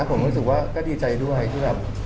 ผมไม่หิตชานะ